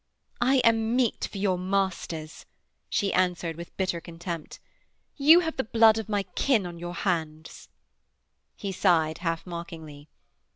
'I am meat for your masters,' she answered with bitter contempt. 'You have the blood of my kin on your hands.' He sighed, half mockingly.